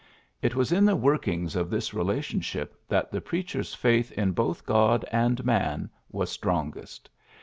It was in the workings of this relation ship that the preacher's faith in both God and man was strongest.